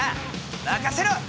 任せろ！